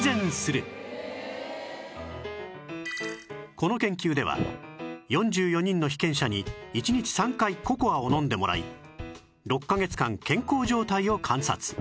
この研究では４４人の被験者に１日３回ココアを飲んでもらい６カ月間健康状態を観察